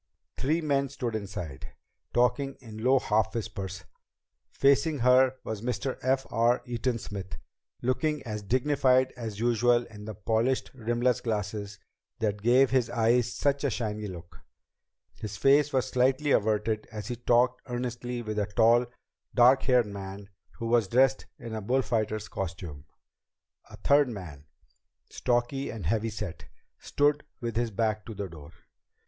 Three men stood inside, talking in low half whispers. Facing her was Mr. F. R. Eaton Smith, looking as dignified as usual in the polished rimless glasses that gave his eyes such a shiny look. His face was slightly averted as he talked earnestly with a tall, dark haired man who was dressed in a bullfighter's costume. A third man, stocky and heavy set, stood with his back to the door.